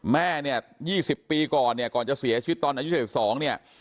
แม่เนี่ยยี่สิบปีก่อนเนี่ยก่อนจะเสียชีวิตตอนอายุสี่สิบสองเนี่ย